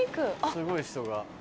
すごい人が。